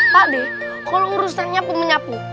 pak deh kalo urusan nyapu menyapu